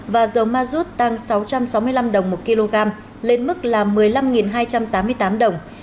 và dầu ma rút tăng sáu trăm sáu mươi năm đồng một kg lên mức là một mươi năm hai trăm tám mươi tám đồng